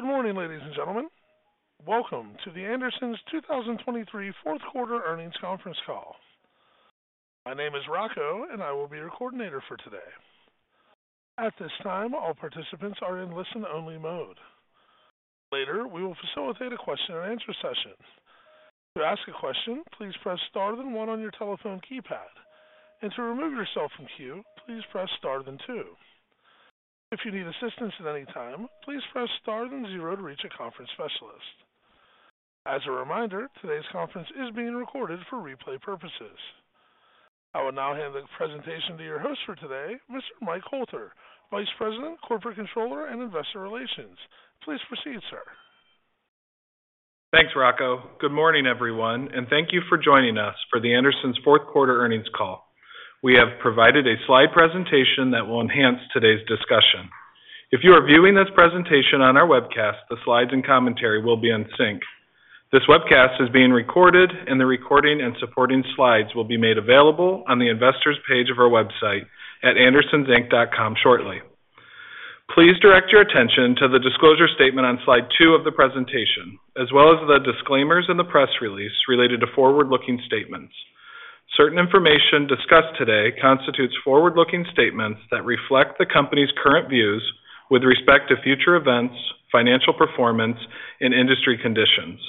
Good morning, ladies and gentlemen. Welcome to The Andersons 2023 fourth quarter earnings conference call. My name is Rocco, and I will be your coordinator for today. At this time, all participants are in listen-only mode. Later, we will facilitate a question-and-answer session. To ask a question, please press star 1 on your telephone keypad, and to remove yourself from queue, please press star 2. If you need assistance at any time, please press star 0 to reach a conference specialist. As a reminder, today's conference is being recorded for replay purposes. I will now hand the presentation to your host for today, Mr. Mike Hoelter, Vice President, Corporate Controller, and Investor Relations. Please proceed, sir. Thanks, Rocco. Good morning, everyone, and thank you for joining us for The Andersons fourth quarter earnings call. We have provided a slide presentation that will enhance today's discussion. If you are viewing this presentation on our webcast, the slides and commentary will be in sync. This webcast is being recorded, and the recording and supporting slides will be made available on the investors' page of our website at andersonsInc.com shortly. Please direct your attention to the disclosure statement on slide two of the presentation, as well as the disclaimers in the press release related to forward-looking statements. Certain information discussed today constitutes forward-looking statements that reflect the company's current views with respect to future events, financial performance, and industry conditions.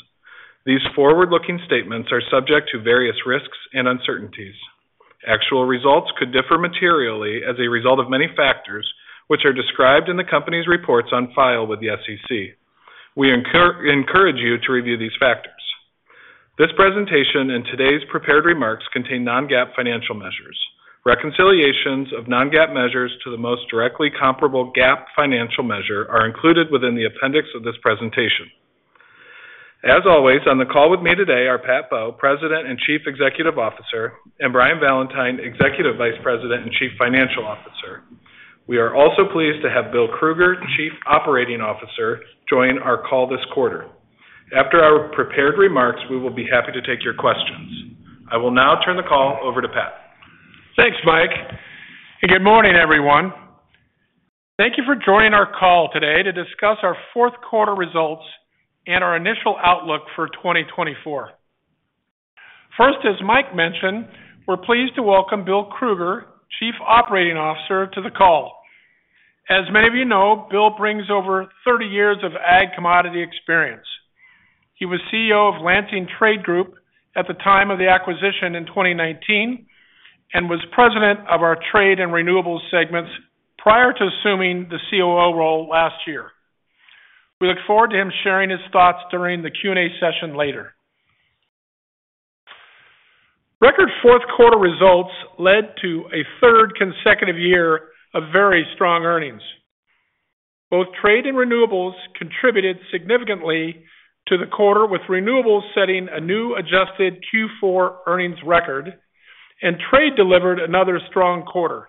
These forward-looking statements are subject to various risks and uncertainties. Actual results could differ materially as a result of many factors which are described in the company's reports on file with the SEC. We encourage you to review these factors. This presentation and today's prepared remarks contain non-GAAP financial measures. Reconciliations of non-GAAP measures to the most directly comparable GAAP financial measure are included within the appendix of this presentation. As always, on the call with me today are Pat Bowe, President and Chief Executive Officer, and Brian Valentine, Executive Vice President and Chief Financial Officer. We are also pleased to have Bill Krueger, Chief Operating Officer, join our call this quarter. After our prepared remarks, we will be happy to take your questions. I will now turn the call over to Pat. Thanks, Mike, and good morning, everyone. Thank you for joining our call today to discuss our fourth quarter results and our initial outlook for 2024. First, as Mike mentioned, we're pleased to welcome Bill Krueger, Chief Operating Officer, to the call. As many of you know, Bill brings over 30 years of ag commodity experience. He was CEO of Lansing Trade Group at the time of the acquisition in 2019 and was President of our trade and renewables segments prior to assuming the COO role last year. We look forward to him sharing his thoughts during the Q&A session later. Record fourth quarter results led to a third consecutive year of very strong earnings. Both trade and renewables contributed significantly to the quarter, with renewables setting a new adjusted Q4 earnings record, and trade delivered another strong quarter.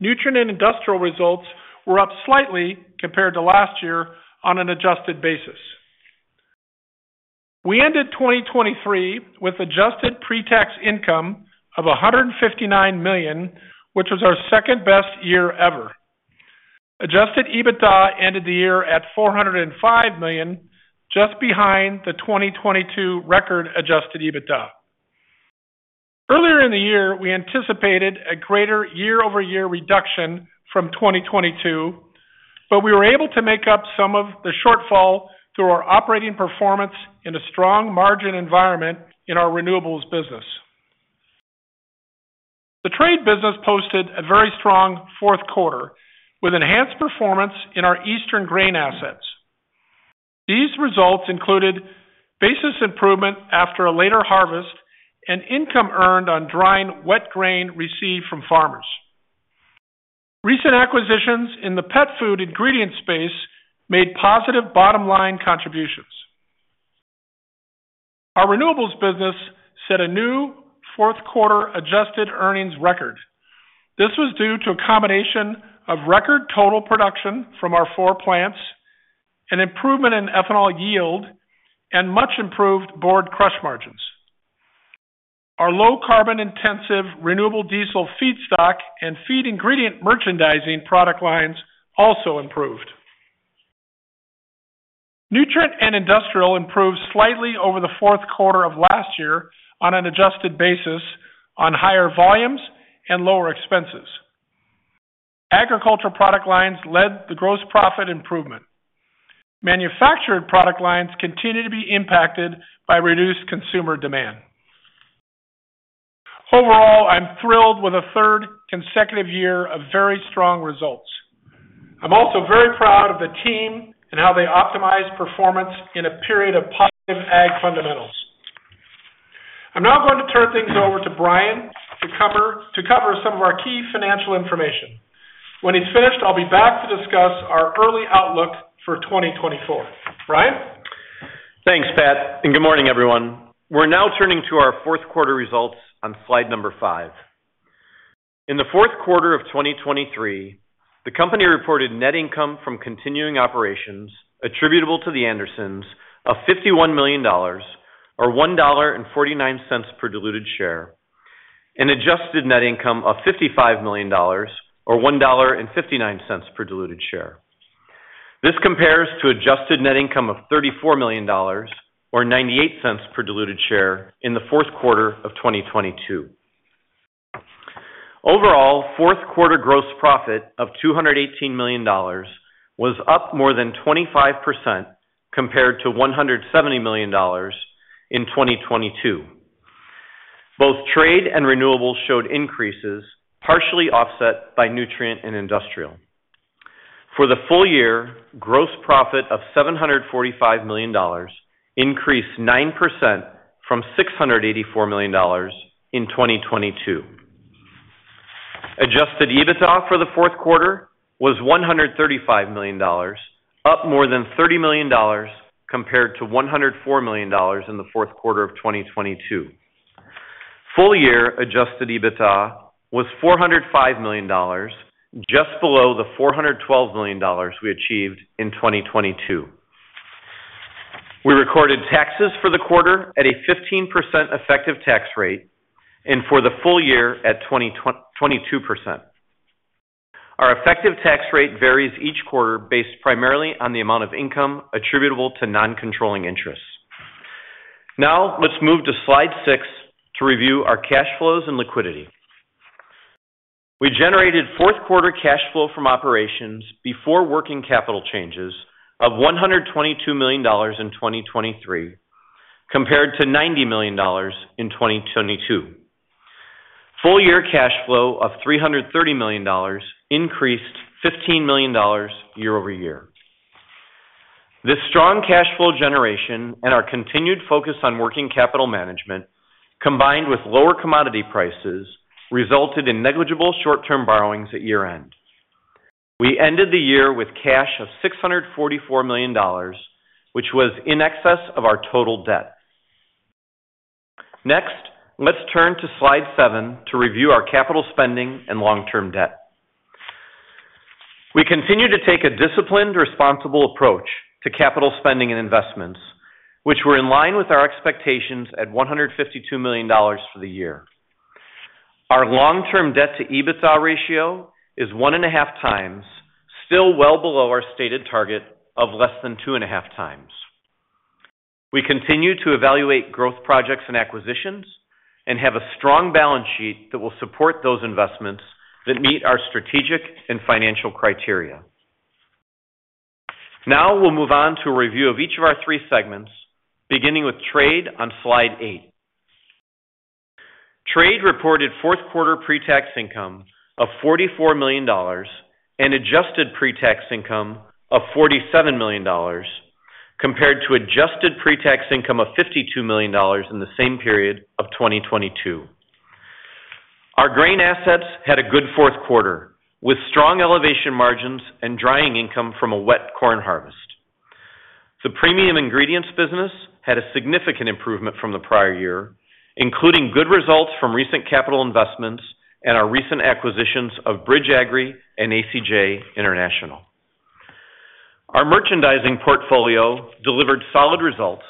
Nutrient and Industrial results were up slightly compared to last year on an adjusted basis. We ended 2023 with adjusted pre-tax income of $159 million, which was our second-best year ever. Adjusted EBITDA ended the year at $405 million, just behind the 2022 record Adjusted EBITDA. Earlier in the year, we anticipated a greater year-over-year reduction from 2022, but we were able to make up some of the shortfall through our operating performance in a strong margin environment in our renewables business. The trade business posted a very strong fourth quarter with enhanced performance in our eastern grain assets. These results included basis improvement after a later harvest and income earned on drying wet grain received from farmers. Recent acquisitions in the pet food ingredient space made positive bottom-line contributions. Our renewables business set a new fourth quarter adjusted earnings record. This was due to a combination of record total production from our four plants, an improvement in ethanol yield, and much-improved board crush margins. Our low-carbon-intensive renewable diesel feedstock and feed ingredient merchandising product lines also improved. Nutrient and Industrial improved slightly over the fourth quarter of last year on an adjusted basis on higher volumes and lower expenses. Agriculture product lines led the gross profit improvement. Manufactured product lines continue to be impacted by reduced consumer demand. Overall, I'm thrilled with a third consecutive year of very strong results. I'm also very proud of the team and how they optimized performance in a period of positive ag fundamentals. I'm now going to turn things over to Brian to cover some of our key financial information. When he's finished, I'll be back to discuss our early outlook for 2024. Brian? Thanks, Pat, and good morning, everyone. We're now turning to our fourth quarter results on slide number 5. In the fourth quarter of 2023, the company reported net income from continuing operations attributable to The Andersons of $51 million, or $1.49 per diluted share, and adjusted net income of $55 million, or $1.59 per diluted share. This compares to adjusted net income of $34 million, or $0.98 per diluted share, in the fourth quarter of 2022. Overall, fourth quarter gross profit of $218 million was up more than 25% compared to $170 million in 2022. Both trade and renewables showed increases, partially offset by Nutrient and Industrial. For the full year, gross profit of $745 million increased 9% from $684 million in 2022. Adjusted EBITDA for the fourth quarter was $135 million, up more than $30 million compared to $104 million in the fourth quarter of 2022. Full-year Adjusted EBITDA was $405 million, just below the $412 million we achieved in 2022. We recorded taxes for the quarter at a 15% effective tax rate, and for the full year at 22%. Our effective tax rate varies each quarter based primarily on the amount of income attributable to non-controlling interests. Now, let's move to slide 6 to review our cash flows and liquidity. We generated fourth quarter cash flow from operations before working capital changes of $122 million in 2023 compared to $90 million in 2022. Full-year cash flow of $330 million increased $15 million year-over-year. This strong cash flow generation and our continued focus on working capital management, combined with lower commodity prices, resulted in negligible short-term borrowings at year-end. We ended the year with cash of $644 million, which was in excess of our total debt. Next, let's turn to slide 7 to review our capital spending and long-term debt. We continue to take a disciplined, responsible approach to capital spending and investments, which were in line with our expectations at $152 million for the year. Our long-term debt-to-EBITDA ratio is 1.5 times, still well below our stated target of less than 2.5 times. We continue to evaluate growth projects and acquisitions and have a strong balance sheet that will support those investments that meet our strategic and financial criteria. Now we'll move on to a review of each of our three segments, beginning with trade on slide 8. Trade reported fourth quarter pre-tax income of $44 million and adjusted pre-tax income of $47 million compared to adjusted pre-tax income of $52 million in the same period of 2022. Our grain assets had a good fourth quarter, with strong elevation margins and drying income from a wet corn harvest. The premium ingredients business had a significant improvement from the prior year, including good results from recent capital investments and our recent acquisitions of Bridge Agri and ACJ International. Our merchandising portfolio delivered solid results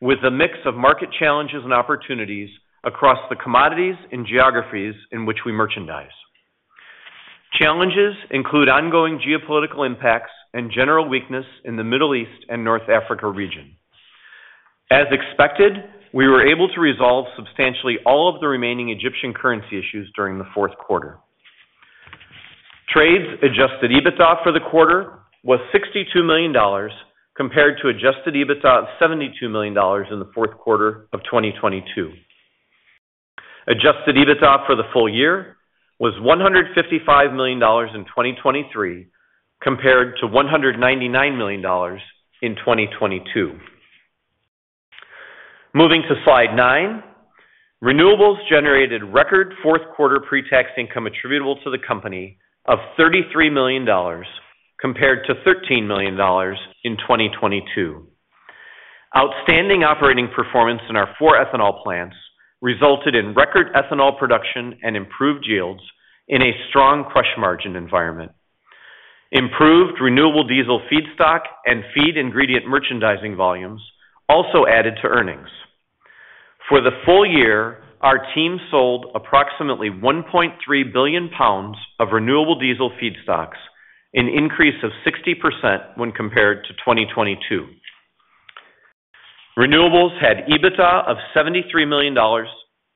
with a mix of market challenges and opportunities across the commodities and geographies in which we merchandise. Challenges include ongoing geopolitical impacts and general weakness in the Middle East and North Africa region. As expected, we were able to resolve substantially all of the remaining Egyptian currency issues during the fourth quarter. Trade's Adjusted EBITDA for the quarter was $62 million compared to Adjusted EBITDA of $72 million in the fourth quarter of 2022. Adjusted EBITDA for the full year was $155 million in 2023 compared to $199 million in 2022. Moving to slide 9, renewables generated record fourth quarter pre-tax income attributable to the company of $33 million compared to $13 million in 2022. Outstanding operating performance in our four ethanol plants resulted in record ethanol production and improved yields in a strong crush margin environment. Improved renewable diesel feedstock and feed ingredient merchandising volumes also added to earnings. For the full year, our team sold approximately $1.3 billion of renewable diesel feedstocks, an increase of 60% when compared to 2022. Renewables had EBITDA of $73 million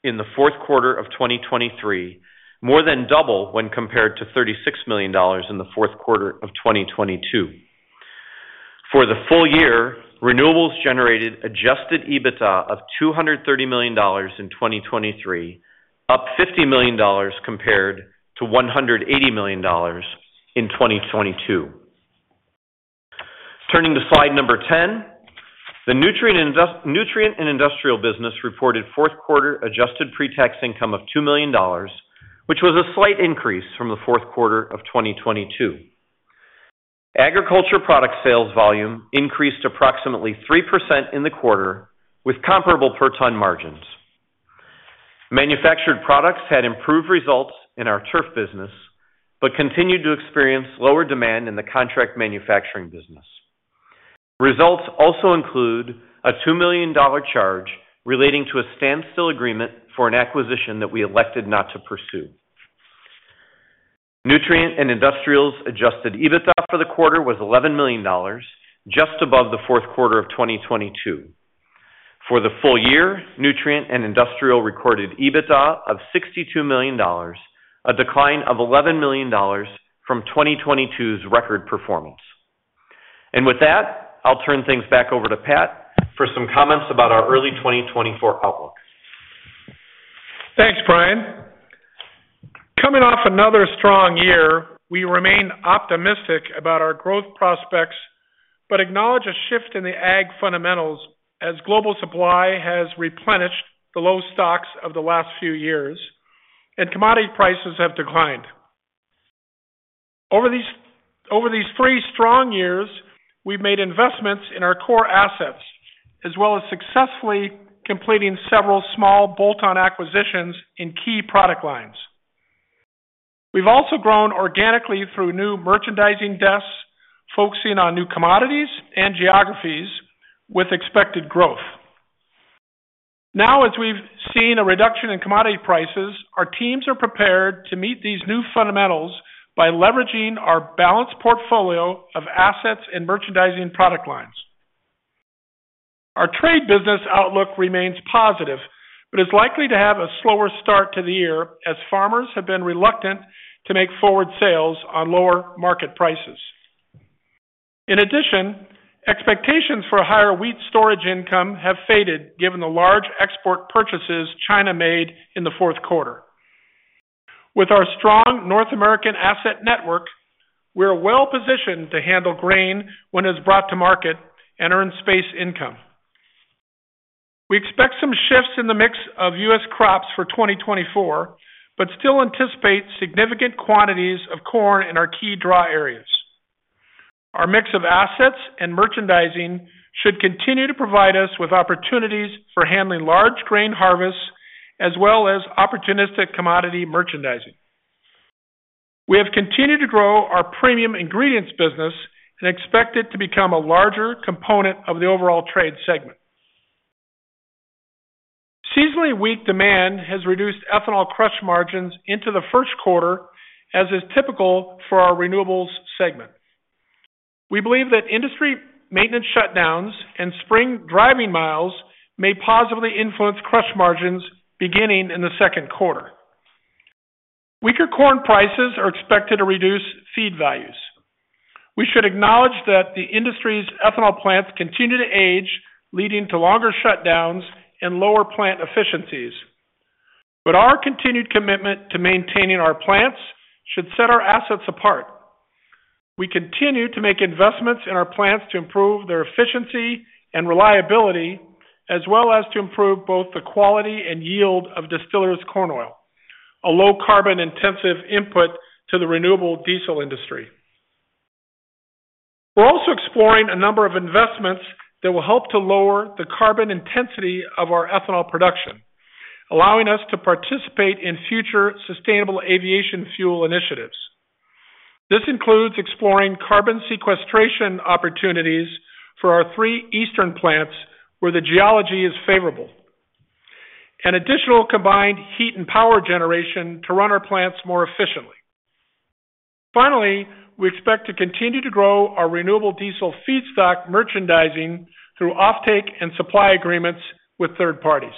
in the fourth quarter of 2023, more than double when compared to $36 million in the fourth quarter of 2022. For the full year, renewables generated Adjusted EBITDA of $230 million in 2023, up $50 million compared to $180 million in 2022. Turning to slide number 10, the Nutrient and Industrial business reported fourth quarter adjusted pre-tax income of $2 million, which was a slight increase from the fourth quarter of 2022. Agriculture product sales volume increased approximately 3% in the quarter with comparable per-ton margins. Manufactured products had improved results in our turf business but continued to experience lower demand in the contract manufacturing business. Results also include a $2 million charge relating to a standstill agreement for an acquisition that we elected not to pursue. Nutrient and Industrial Adjusted EBITDA for the quarter was $11 million, just above the fourth quarter of 2022. For the full year, Nutrient and Industrial recorded EBITDA of $62 million, a decline of $11 million from 2022's record performance. With that, I'll turn things back over to Pat for some comments about our early 2024 outlook. Thanks, Brian. Coming off another strong year, we remain optimistic about our growth prospects but acknowledge a shift in the ag fundamentals as global supply has replenished the low stocks of the last few years, and commodity prices have declined. Over these three strong years, we've made investments in our core assets as well as successfully completing several small bolt-on acquisitions in key product lines. We've also grown organically through new merchandising desks focusing on new commodities and geographies with expected growth. Now, as we've seen a reduction in commodity prices, our teams are prepared to meet these new fundamentals by leveraging our balanced portfolio of assets and merchandising product lines. Our trade business outlook remains positive but is likely to have a slower start to the year as farmers have been reluctant to make forward sales on lower market prices. In addition, expectations for higher wheat storage income have faded given the large export purchases China made in the fourth quarter. With our strong North American asset network, we're well-positioned to handle grain when it's brought to market and earn space income. We expect some shifts in the mix of U.S. crops for 2024 but still anticipate significant quantities of corn in our key dry areas. Our mix of assets and merchandising should continue to provide us with opportunities for handling large grain harvests as well as opportunistic commodity merchandising. We have continued to grow our premium ingredients business and expect it to become a larger component of the overall trade segment. Seasonally weak demand has reduced ethanol crush margins into the first quarter, as is typical for our renewables segment. We believe that industry maintenance shutdowns and spring driving miles may positively influence crush margins beginning in the second quarter. Weaker corn prices are expected to reduce feed values. We should acknowledge that the industry's ethanol plants continue to age, leading to longer shutdowns and lower plant efficiencies. But our continued commitment to maintaining our plants should set our assets apart. We continue to make investments in our plants to improve their efficiency and reliability, as well as to improve both the quality and yield of distillers corn oil, a low-carbon-intensive input to the renewable diesel industry. We're also exploring a number of investments that will help to lower the carbon intensity of our ethanol production, allowing us to participate in future sustainable aviation fuel initiatives. This includes exploring carbon sequestration opportunities for our three eastern plants where the geology is favorable, and additional combined heat and power generation to run our plants more efficiently. Finally, we expect to continue to grow our renewable diesel feedstock merchandising through offtake and supply agreements with third parties.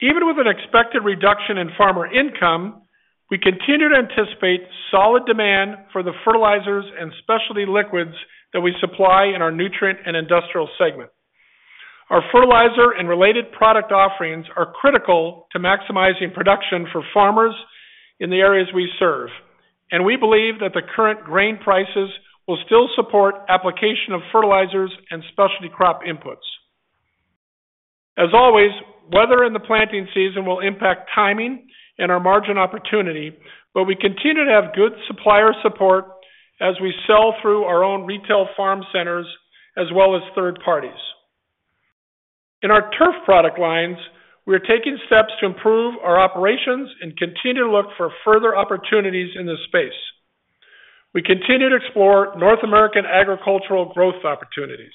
Even with an expected reduction in farmer income, we continue to anticipate solid demand for the fertilizers and specialty liquids that we supply in our Nutrient and Industrial segment. Our fertilizer and related product offerings are critical to maximizing production for farmers in the areas we serve, and we believe that the current grain prices will still support application of fertilizers and specialty crop inputs. As always, weather in the planting season will impact timing and our margin opportunity, but we continue to have good supplier support as we sell through our own retail farm centers as well as third parties. In our turf product lines, we are taking steps to improve our operations and continue to look for further opportunities in this space. We continue to explore North American agricultural growth opportunities.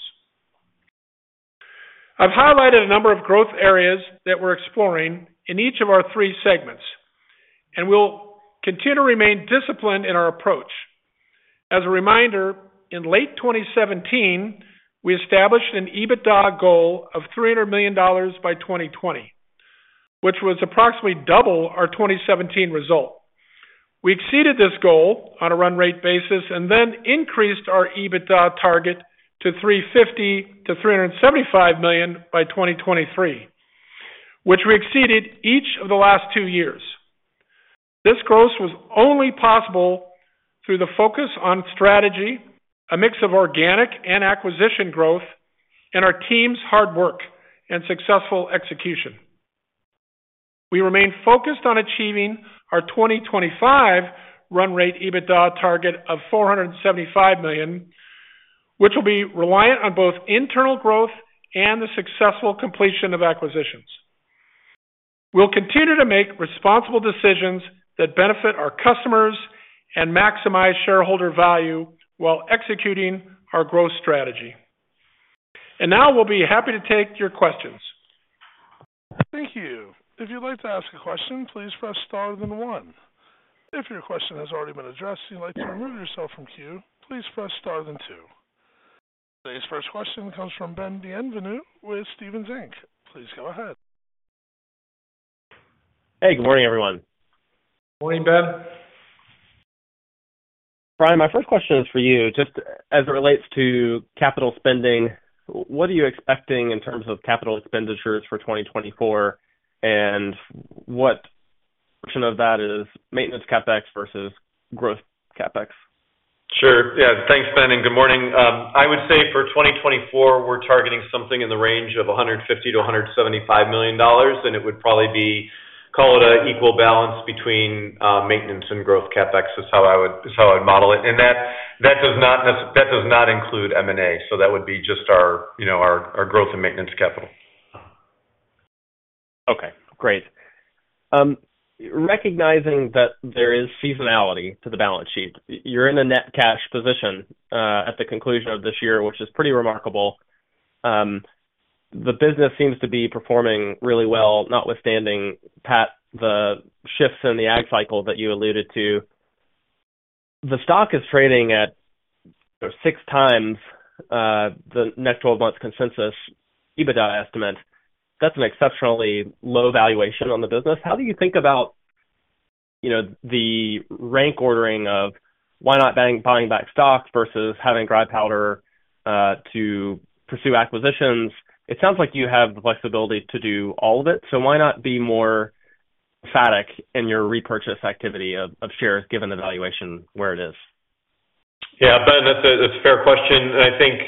I've highlighted a number of growth areas that we're exploring in each of our three segments, and we'll continue to remain disciplined in our approach. As a reminder, in late 2017, we established an EBITDA goal of $300 million by 2020, which was approximately double our 2017 result. We exceeded this goal on a run-rate basis and then increased our EBITDA target to $350-$375 million by 2023, which we exceeded each of the last two years. This growth was only possible through the focus on strategy, a mix of organic and acquisition growth, and our team's hard work and successful execution. We remain focused on achieving our 2025 run-rate EBITDA target of $475 million, which will be reliant on both internal growth and the successful completion of acquisitions. We'll continue to make responsible decisions that benefit our customers and maximize shareholder value while executing our growth strategy. And now we'll be happy to take your questions. Thank you. If you'd like to ask a question, please press star then one. If your question has already been addressed and you'd like to remove yourself from queue, please press star then two. Today's first question comes from Ben Bienvenu with Stephens Inc. Please go ahead. Hey, good morning, everyone. Morning, Ben. Brian, my first question is for you. Just as it relates to capital spending, what are you expecting in terms of capital expenditures for 2024, and what portion of that is maintenance CapEx versus growth CapEx? Sure. Yeah. Thanks, Ben, and good morning. I would say for 2024, we're targeting something in the range of $150-$175 million, and it would probably be call it an equal balance between maintenance and growth CapEx is how I would model it. That does not include M&A, so that would be just our growth and maintenance capital. Okay. Great. Recognizing that there is seasonality to the balance sheet, you're in a net cash position at the conclusion of this year, which is pretty remarkable. The business seems to be performing really well, notwithstanding, Pat, the shifts in the ag cycle that you alluded to. The stock is trading at 6x the next 12 months' consensus EBITDA estimate. That's an exceptionally low valuation on the business. How do you think about the rank ordering of why not buying back stock versus having dry powder to pursue acquisitions? It sounds like you have the flexibility to do all of it, so why not be more emphatic in your repurchase activity of shares given the valuation where it is? Yeah, Ben, that's a fair question. And I think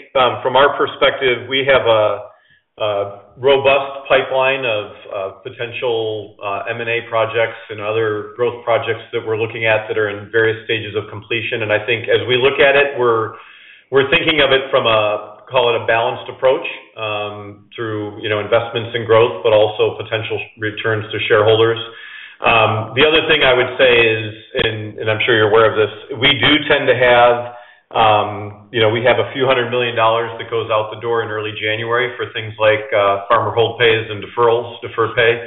from our perspective, we have a robust pipeline of potential M&A projects and other growth projects that we're looking at that are in various stages of completion. And I think as we look at it, we're thinking of it from a, call it, a balanced approach through investments in growth but also potential returns to shareholders. The other thing I would say is, and I'm sure you're aware of this, we have a few hundred million dollars that goes out the door in early January for things like farmer hold pays and deferrals, deferred pay.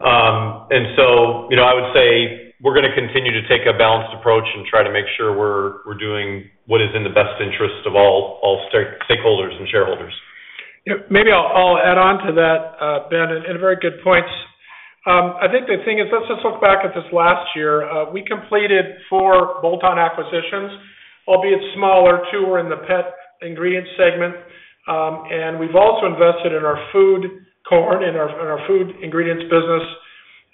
And so I would say we're going to continue to take a balanced approach and try to make sure we're doing what is in the best interest of all stakeholders and shareholders. Yeah. Maybe I'll add on to that, Ben, and very good points. I think the thing is, let's just look back at this last year. We completed 4 bolt-on acquisitions, albeit smaller, 2 were in the pet ingredients segment. And we've also invested in our food corn, in our food ingredients business,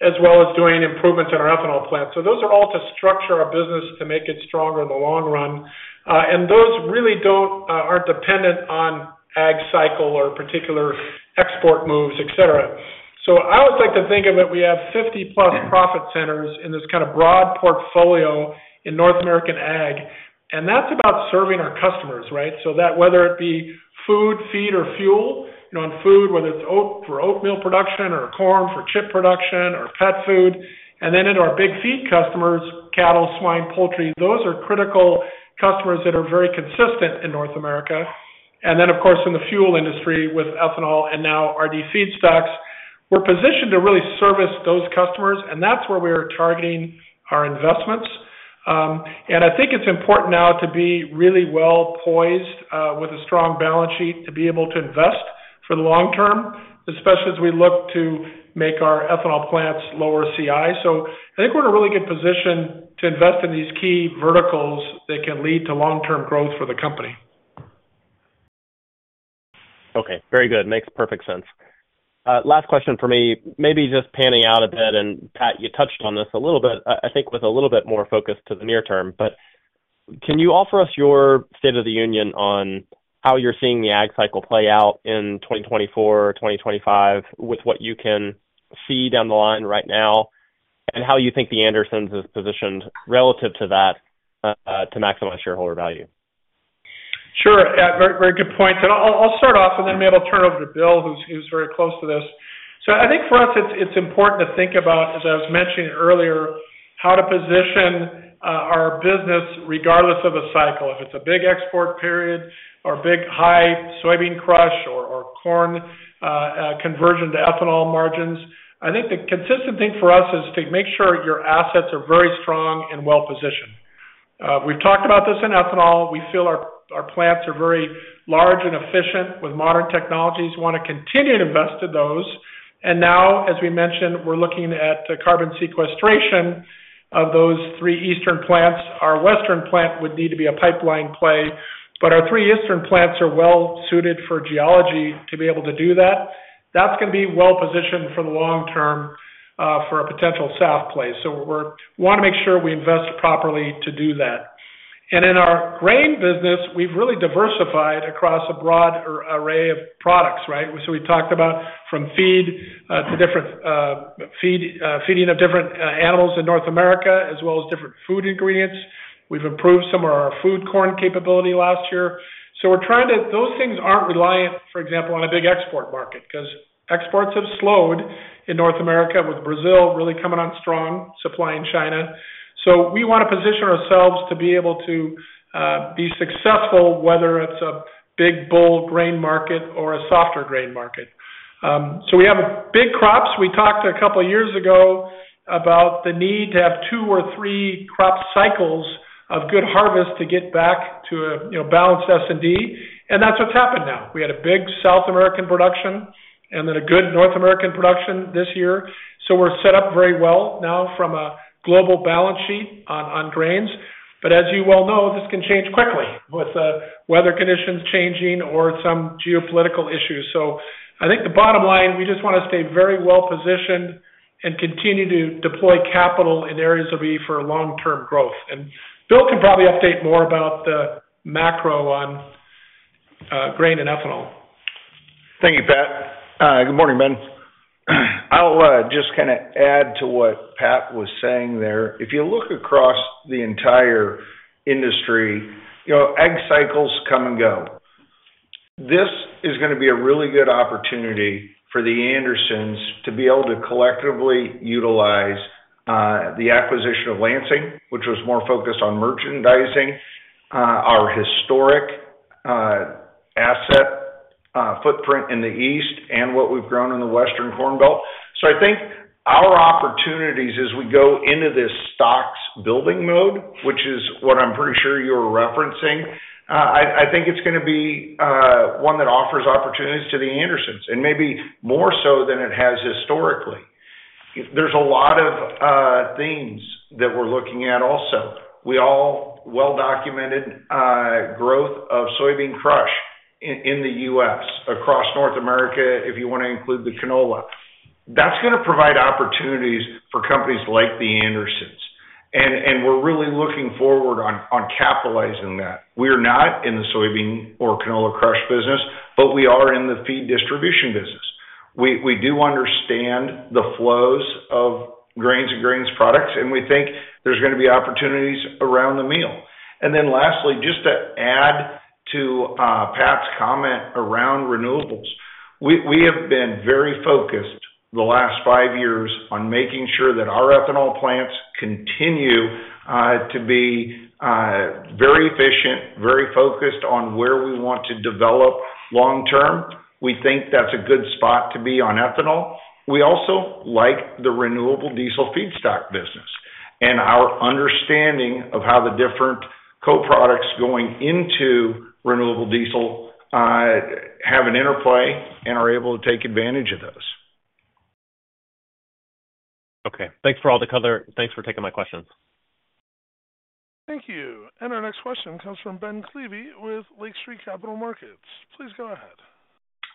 as well as doing improvements in our ethanol plant. So those are all to structure our business to make it stronger in the long run. And those really aren't dependent on ag cycle or particular export moves, etc. So I always like to think of it we have 50+ profit centers in this kind of broad portfolio in North American ag, and that's about serving our customers, right? So whether it be food, feed, or fuel. On food, whether it's oat for oatmeal production or corn for chip production or pet food, and then into our big feed customers, cattle, swine, poultry, those are critical customers that are very consistent in North America. And then, of course, in the fuel industry with ethanol and now RD feedstocks, we're positioned to really service those customers, and that's where we are targeting our investments. And I think it's important now to be really well-poised with a strong balance sheet to be able to invest for the long term, especially as we look to make our ethanol plants lower CI. So I think we're in a really good position to invest in these key verticals that can lead to long-term growth for the company. Okay. Very good. Makes perfect sense. Last question for me, maybe just panning out a bit, and Pat, you touched on this a little bit, I think with a little bit more focus to the near term. But can you offer us your state of the union on how you're seeing the ag cycle play out in 2024, 2025 with what you can see down the line right now, and how you think The Andersons is positioned relative to that to maximize shareholder value? Sure. Very good points. I'll start off, and then maybe I'll turn over to Bill, who's very close to this. I think for us, it's important to think about, as I was mentioning earlier, how to position our business regardless of the cycle. If it's a big export period or big high soybean crush or corn conversion to ethanol margins, I think the consistent thing for us is to make sure your assets are very strong and well-positioned. We've talked about this in ethanol. We feel our plants are very large and efficient with modern technologies. We want to continue to invest in those. And now, as we mentioned, we're looking at carbon sequestration of those three eastern plants. Our western plant would need to be a pipeline play, but our three eastern plants are well-suited for geology to be able to do that. That's going to be well-positioned for the long term for a potential SAF play. So we want to make sure we invest properly to do that. And in our grain business, we've really diversified across a broad array of products, right? So we talked about from feed to different feeding of different animals in North America as well as different food ingredients. We've improved some of our food corn capability last year. So we're trying to those things aren't reliant, for example, on a big export market because exports have slowed in North America with Brazil really coming on strong, supplying China. So we want to position ourselves to be able to be successful, whether it's a big, bull grain market or a softer grain market. So we have big crops. We talked a couple of years ago about the need to have two or three crop cycles of good harvest to get back to a balanced S&D. And that's what's happened now. We had a big South American production and then a good North American production this year. So we're set up very well now from a global balance sheet on grains. But as you well know, this can change quickly with weather conditions changing or some geopolitical issues. So I think the bottom line, we just want to stay very well-positioned and continue to deploy capital in areas that will be for long-term growth. And Bill can probably update more about the macro on grain and ethanol. Thank you, Pat. Good morning, Ben. I'll just kind of add to what Pat was saying there. If you look across the entire industry, ag cycles come and go. This is going to be a really good opportunity for The Andersons to be able to collectively utilize the acquisition of Lansing, which was more focused on merchandising, our historic asset footprint in the east, and what we've grown in the western corn belt. So I think our opportunities as we go into this stocks-building mode, which is what I'm pretty sure you were referencing, I think it's going to be one that offers opportunities to The Andersons and maybe more so than it has historically. There's a lot of themes that we're looking at also. We all well-documented growth of soybean crush in the U.S., across North America, if you want to include the canola. That's going to provide opportunities for companies like The Andersons. And we're really looking forward on capitalizing that. We are not in the soybean or canola crush business, but we are in the feed distribution business. We do understand the flows of grain and grain products, and we think there's going to be opportunities around the meal. And then lastly, just to add to Pat's comment around renewables, we have been very focused the last five years on making sure that our ethanol plants continue to be very efficient, very focused on where we want to develop long term. We think that's a good spot to be on ethanol. We also like the renewable diesel feedstock business and our understanding of how the different co-products going into renewable diesel have an interplay and are able to take advantage of those. Okay. Thanks for all the color. Thanks for taking my questions. Thank you. And our next question comes from Ben Klieve with Lake Street Capital Markets. Please go ahead.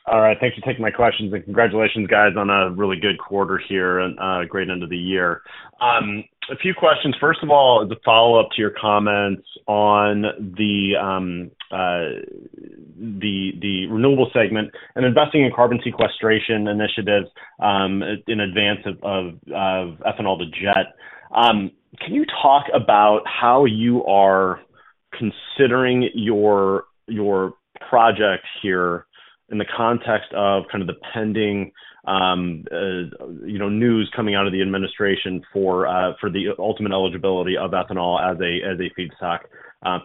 All right. Thanks for taking my questions, and congratulations, guys, on a really good quarter here and a great end of the year. A few questions. First of all, as a follow-up to your comments on the renewable segment and investing in carbon sequestration initiatives in advance of Ethanol-to-Jet, can you talk about how you are considering your project here in the context of kind of the pending news coming out of the administration for the ultimate eligibility of ethanol as a feedstock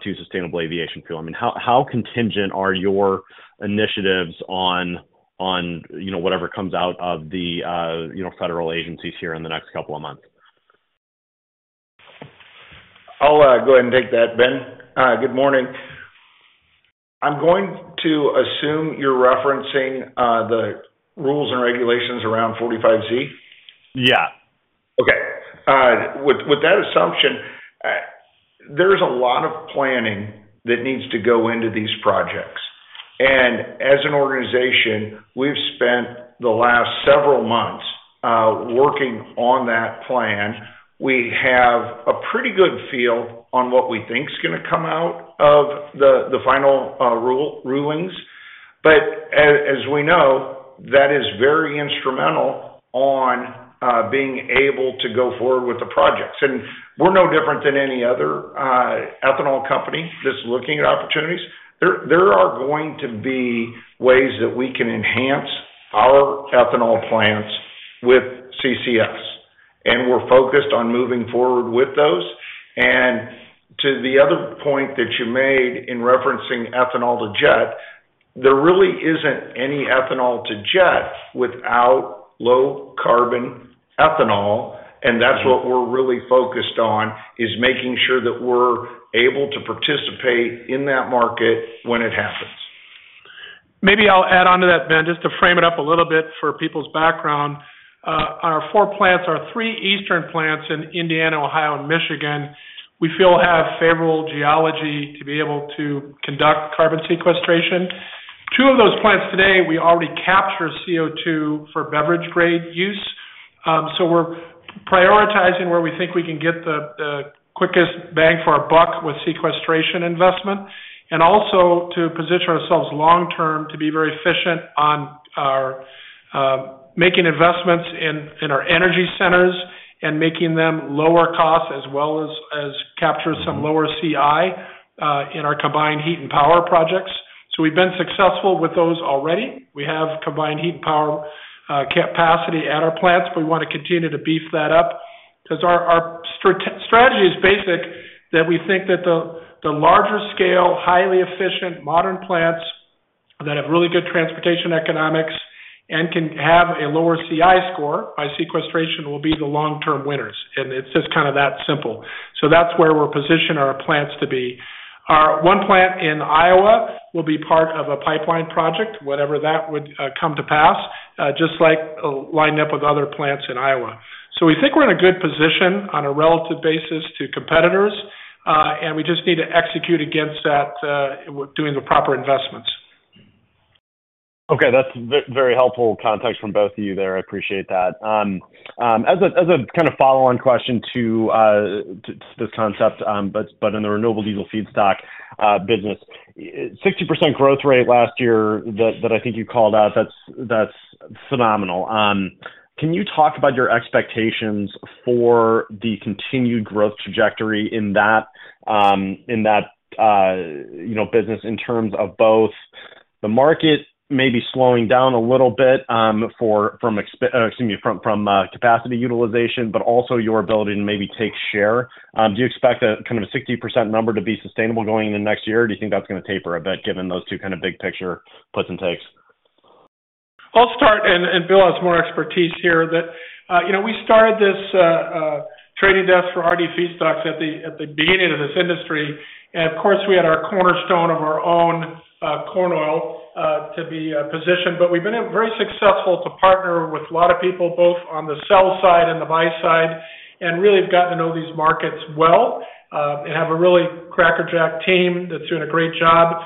to Sustainable Aviation Fuel? I mean, how contingent are your initiatives on whatever comes out of the federal agencies here in the next couple of months? I'll go ahead and take that, Ben. Good morning. I'm going to assume you're referencing the rules and regulations around 45Z? Yeah. Okay. With that assumption, there's a lot of planning that needs to go into these projects. As an organization, we've spent the last several months working on that plan. We have a pretty good feel on what we think's going to come out of the final rulings. But as we know, that is very instrumental on being able to go forward with the projects. We're no different than any other ethanol company that's looking at opportunities. There are going to be ways that we can enhance our ethanol plants with CCS. We're focused on moving forward with those. To the other point that you made in referencing Ethanol-to-Jet, there really isn't any Ethanol-to-Jet without low-carbon ethanol. That's what we're really focused on, is making sure that we're able to participate in that market when it happens. Maybe I'll add on to that, Ben, just to frame it up a little bit for people's background. Our four plants are three eastern plants in Indiana, Ohio, and Michigan. We feel have favorable geology to be able to conduct carbon sequestration. Two of those plants today, we already capture CO2 for beverage-grade use. So we're prioritizing where we think we can get the quickest bang for our buck with sequestration investment and also to position ourselves long term to be very efficient on making investments in our energy centers and making them lower cost as well as capture some lower CI in our combined heat and power projects. So we've been successful with those already. We have combined heat and power capacity at our plants, but we want to continue to beef that up because our strategy is basic that we think that the larger-scale, highly efficient, modern plants that have really good transportation economics and can have a lower CI score by sequestration will be the long-term winners. It's just kind of that simple. That's where we're positioning our plants to be. One plant in Iowa will be part of a pipeline project, whatever that would come to pass, just like lining up with other plants in Iowa. We think we're in a good position on a relative basis to competitors, and we just need to execute against that doing the proper investments. Okay. That's very helpful context from both of you there. I appreciate that. As a kind of follow-on question to this concept, but in the renewable diesel feedstock business, 60% growth rate last year that I think you called out, that's phenomenal. Can you talk about your expectations for the continued growth trajectory in that business in terms of both the market maybe slowing down a little bit from, excuse me, from capacity utilization, but also your ability to maybe take share? Do you expect kind of a 60% number to be sustainable going into next year, or do you think that's going to taper a bit given those two kind of big picture puts and takes? I'll start. Bill has more expertise here. We started this trading desk for RD feedstocks at the beginning of this industry. Of course, we had our cornerstone of our own corn oil to be positioned. But we've been very successful to partner with a lot of people both on the sell side and the buy side and really have gotten to know these markets well and have a really crackerjack team that's doing a great job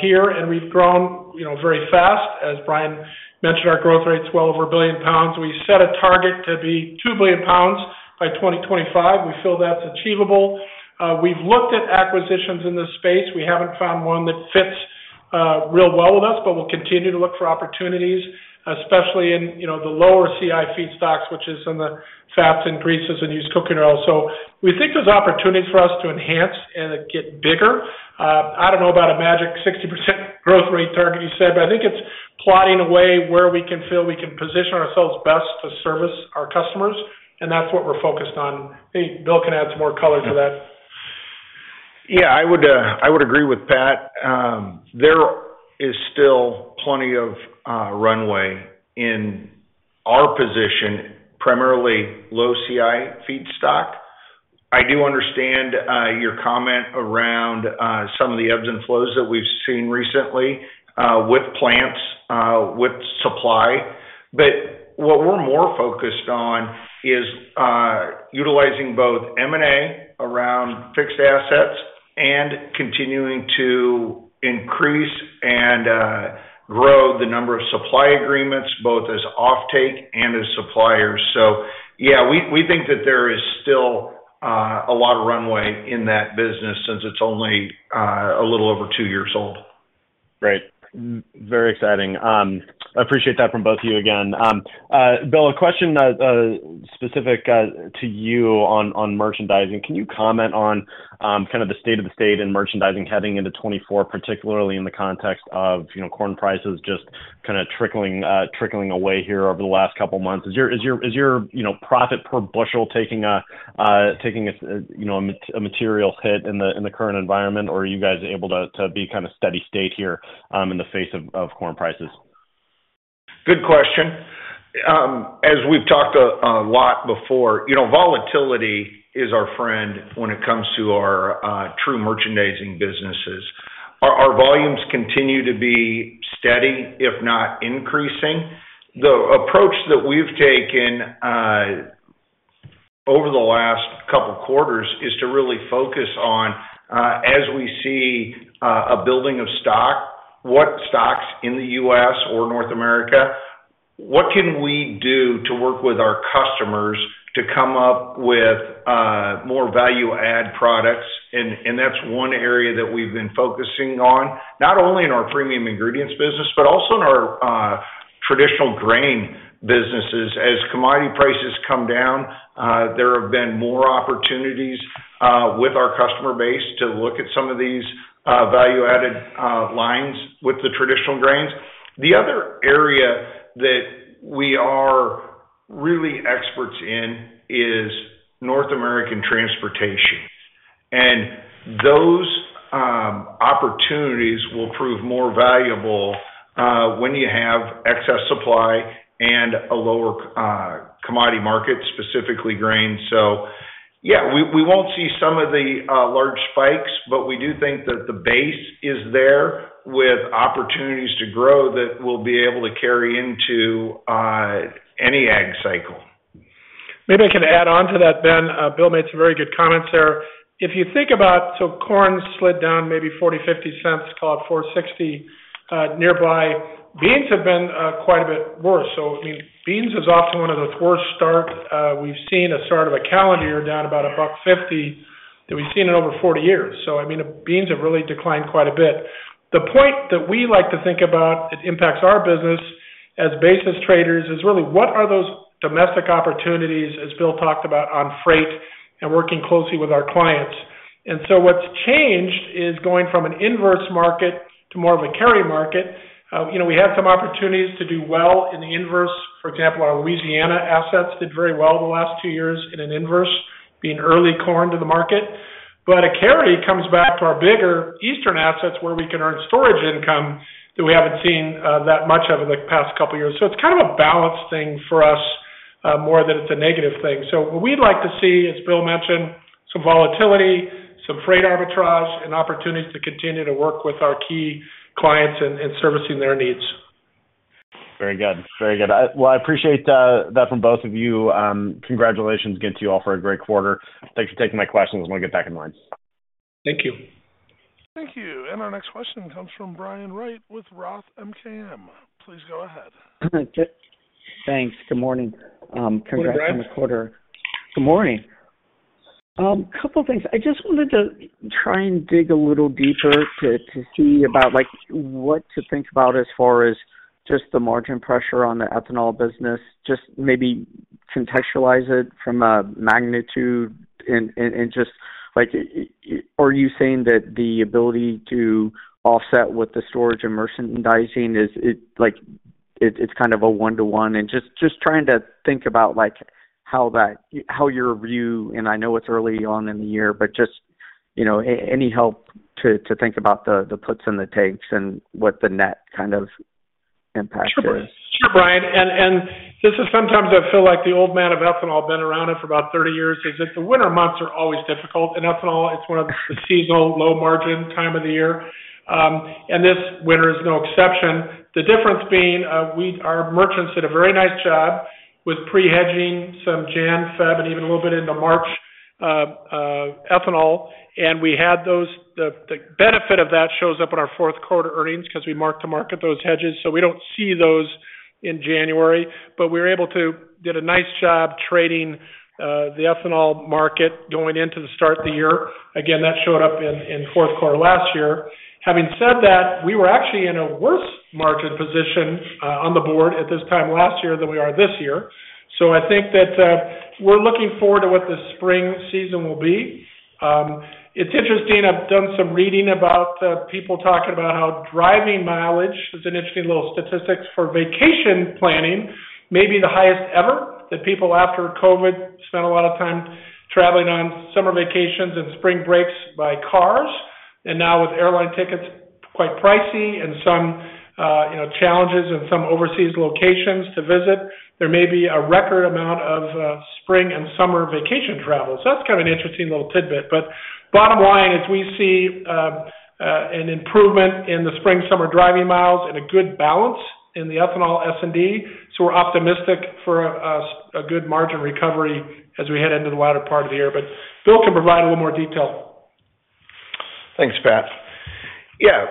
here. We've grown very fast. As Brian mentioned, our growth rate's well over 1 billion pounds. We set a target to be 2 billion pounds by 2025. We feel that's achievable. We've looked at acquisitions in this space. We haven't found one that fits real well with us, but we'll continue to look for opportunities, especially in the lower CI feedstocks, which is in the fats and greases and used cooking oil. So we think there's opportunities for us to enhance and get bigger. I don't know about a magic 60% growth rate target you said, but I think it's plotting away where we can feel we can position ourselves best to service our customers. And that's what we're focused on. I think Bill can add some more color to that. Yeah. I would agree with Pat. There is still plenty of runway in our position, primarily low-CI feedstock. I do understand your comment around some of the ebbs and flows that we've seen recently with plants with supply. But what we're more focused on is utilizing both M&A around fixed assets and continuing to increase and grow the number of supply agreements both as offtake and as suppliers. So yeah, we think that there is still a lot of runway in that business since it's only a little over two years old. Right. Very exciting. I appreciate that from both of you again. Bill, a question specific to you on merchandising. Can you comment on kind of the state of the state in merchandising heading into 2024, particularly in the context of corn prices just kind of trickling away here over the last couple of months? Is your profit per bushel taking a material hit in the current environment, or are you guys able to be kind of steady state here in the face of corn prices? Good question. As we've talked a lot before, volatility is our friend when it comes to our true merchandising businesses. Our volumes continue to be steady, if not increasing. The approach that we've taken over the last couple of quarters is to really focus on, as we see a building of stock, what stocks in the U.S. or North America, what can we do to work with our customers to come up with more value-add products? And that's one area that we've been focusing on, not only in our premium ingredients business but also in our traditional grain businesses. As commodity prices come down, there have been more opportunities with our customer base to look at some of these value-added lines with the traditional grains. The other area that we are really experts in is North American transportation. Those opportunities will prove more valuable when you have excess supply and a lower commodity market, specifically grain. So yeah, we won't see some of the large spikes, but we do think that the base is there with opportunities to grow that will be able to carry into any ag cycle. Maybe I can add on to that, Ben. Bill made some very good comments there. If you think about so corn slid down maybe $0.40-$0.50, call it $4.60 nearby. Beans have been quite a bit worse. So I mean, beans is often one of the worst start. We've seen a start of a calendar year down about $1.50 that we've seen in over 40 years. So I mean, beans have really declined quite a bit. The point that we like to think about, it impacts our business as basis traders, is really what are those domestic opportunities, as Bill talked about, on freight and working closely with our clients? And so what's changed is going from an inverse market to more of a carry market. We had some opportunities to do well in the inverse. For example, our Louisiana assets did very well the last two years in an inverse, being early corn to the market. But a carry comes back to our bigger eastern assets where we can earn storage income that we haven't seen that much of in the past couple of years. So it's kind of a balanced thing for us more than it's a negative thing. So what we'd like to see is, Bill mentioned, some volatility, some freight arbitrage, and opportunities to continue to work with our key clients and servicing their needs. Very good. Very good. Well, I appreciate that from both of you. Congratulations again to you all for a great quarter. Thanks for taking my questions. I'm going to get back in line. Thank you. Thank you. And our next question comes from Brian Wright with Roth MKM. Please go ahead. Thanks. Good morning. Congrats on the quarter. What's up, Brian? [inaudible] Good morning. A couple of things. I just wanted to try and dig a little deeper to see about what to think about as far as just the margin pressure on the ethanol business, just maybe contextualize it from a magnitude and just are you saying that the ability to offset with the storage and merchandising, it's kind of a one-to-one? Just trying to think about how your view and I know it's early on in the year, but just any help to think about the puts and the takes and what the net kind of impact is. Sure, Brian. And this is sometimes I feel like the old man of ethanol, been around it for about 30 years, in that the winter months are always difficult. In ethanol, it's one of the seasonal low-margin times of the year. And this winter is no exception. The difference being, our merchants did a very nice job with pre-hedging some Jan/Feb and even a little bit into March ethanol. And we had the benefit of that shows up in our fourth quarter earnings because we marked to market those hedges. So we don't see those in January. But we were able to do a nice job trading the ethanol market going into the start of the year. Again, that showed up in fourth quarter last year. Having said that, we were actually in a worse margin position on the board at this time last year than we are this year. So I think that we're looking forward to what the spring season will be. It's interesting. I've done some reading about people talking about how driving mileage is an interesting little statistics for vacation planning, maybe the highest ever that people after COVID spent a lot of time traveling on summer vacations and spring breaks by cars. And now with airline tickets, quite pricey and some challenges and some overseas locations to visit, there may be a record amount of spring and summer vacation travel. So that's kind of an interesting little tidbit. But bottom line is we see an improvement in the spring/summer driving miles and a good balance in the ethanol S&D. We're optimistic for a good margin recovery as we head into the latter part of the year. But Bill can provide a little more detail. Thanks, Pat. Yeah.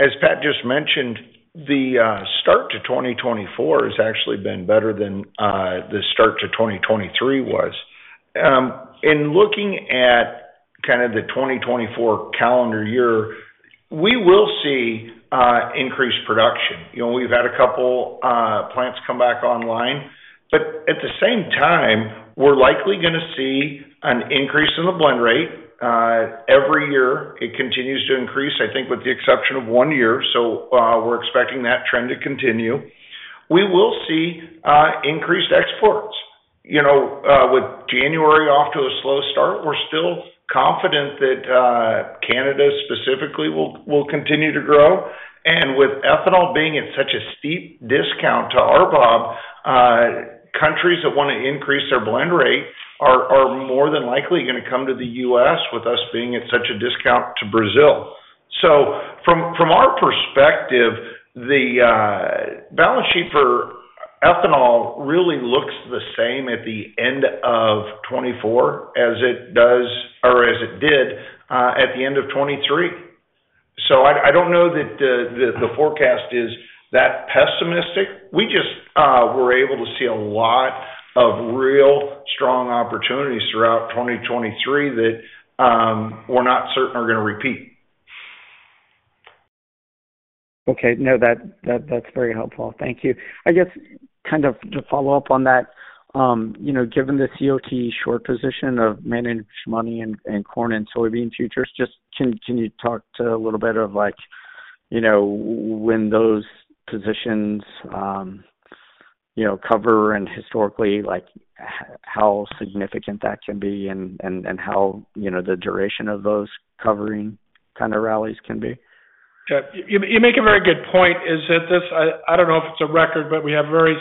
As Pat just mentioned, the start to 2024 has actually been better than the start to 2023 was. In looking at kind of the 2024 calendar year, we will see increased production. We've had a couple plants come back online. But at the same time, we're likely going to see an increase in the blend rate. Every year, it continues to increase, I think, with the exception of one year. So we're expecting that trend to continue. We will see increased exports. With January off to a slow start, we're still confident that Canada specifically will continue to grow. And with ethanol being at such a steep discount to our RBOB, countries that want to increase their blend rate are more than likely going to come to the U.S. with us being at such a discount to Brazil. From our perspective, the balance sheet for ethanol really looks the same at the end of 2024 as it does or as it did at the end of 2023. I don't know that the forecast is that pessimistic. We just were able to see a lot of real strong opportunities throughout 2023 that we're not certain are going to repeat. Okay. No, that's very helpful. Thank you. I guess kind of to follow up on that, given the COT short position of managed money and corn and soybean futures, just can you talk to a little bit of when those positions cover and historically how significant that can be and how the duration of those covering kind of rallies can be? Yeah. You make a very good point. I don't know if it's a record, but we have very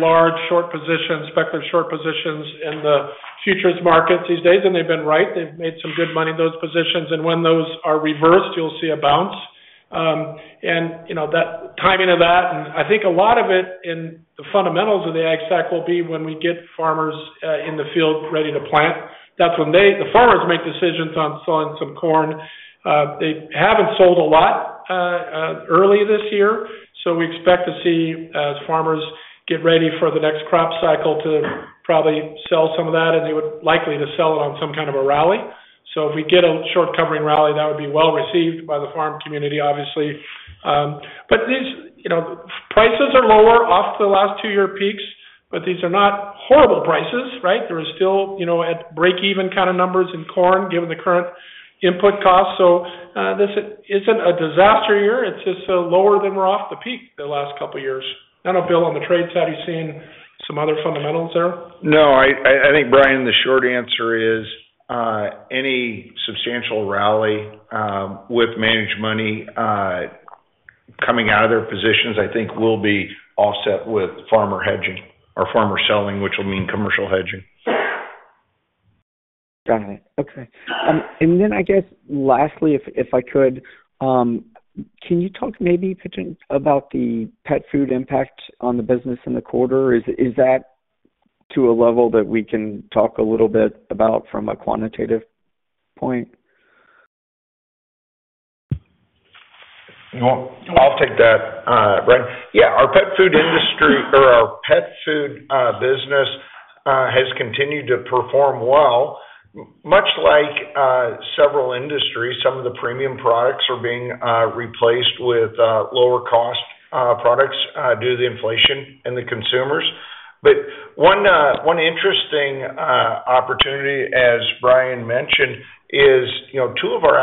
large short positions, speculative short positions in the futures markets these days. They've been right. They've made some good money, those positions. When those are reversed, you'll see a bounce. That timing of that and I think a lot of it in the fundamentals of the ag stack will be when we get farmers in the field ready to plant. That's when the farmers make decisions on selling some corn. They haven't sold a lot early this year. We expect to see, as farmers get ready for the next crop cycle, to probably sell some of that. They would likely to sell it on some kind of a rally. If we get a short covering rally, that would be well received by the farm community, obviously. But these prices are lower off the last two-year peaks. But these are not horrible prices, right? They're still at break-even kind of numbers in corn given the current input costs. So this isn't a disaster year. It's just lower than we're off the peak the last couple of years. I don't know, Bill, on the trades, have you seen some other fundamentals there? No. I think, Brian, the short answer is any substantial rally with managed money coming out of their positions, I think, will be offset with farmer hedging or farmer selling, which will mean commercial hedging. Got it. Okay. And then I guess lastly, if I could, can you talk maybe about the pet food impact on the business in the quarter? Is that to a level that we can talk a little bit about from a quantitative point? I'll take that, Brian. Yeah. Our pet food industry or our pet food business has continued to perform well, much like several industries. Some of the premium products are being replaced with lower-cost products due to the inflation and the consumers. But one interesting opportunity, as Brian mentioned, is two of our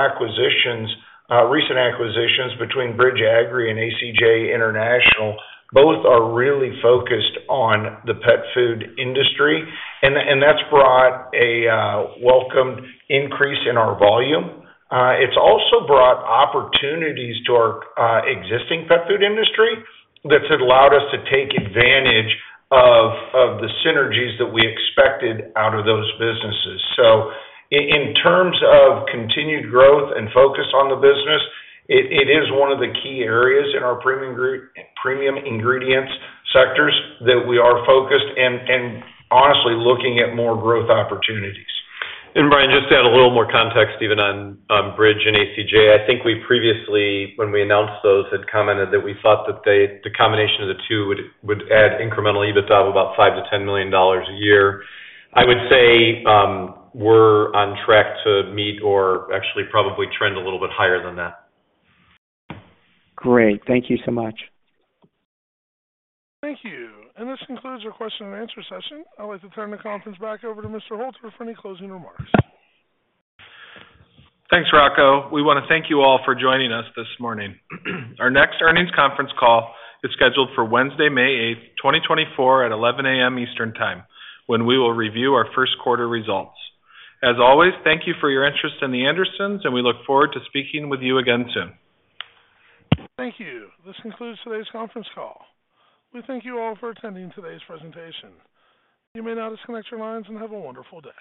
recent acquisitions between Bridge Agri and ACJ International, both are really focused on the pet food industry. And that's brought a welcomed increase in our volume. It's also brought opportunities to our existing pet food industry that's allowed us to take advantage of the synergies that we expected out of those businesses. So in terms of continued growth and focus on the business, it is one of the key areas in our premium ingredients sectors that we are focused and honestly looking at more growth opportunities. And Brian, just to add a little more context, even on Bridge and ACJ, I think we previously, when we announced those, had commented that we thought that the combination of the two would add incremental EBITDA of about $5 million-$10 million a year. I would say we're on track to meet or actually probably trend a little bit higher than that. Great. Thank you so much. Thank you. And this concludes our question and answer session. I'd like to turn the conference back over to Mr. Hoelter for any closing remarks. Thanks, Rocco. We want to thank you all for joining us this morning. Our next earnings conference call is scheduled for Wednesday, May 8th, 2024, at 11:00 A.M. Eastern Time when we will review our first quarter results. As always, thank you for your interest in The Andersons, and we look forward to speaking with you again soon. Thank you. This concludes today's conference call. We thank you all for attending today's presentation. You may now disconnect your lines and have a wonderful day.